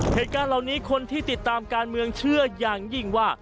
เหตุการณ์เหล่านี้คนที่ติดตามการเมืองเชื่ออย่างยิ่งว่า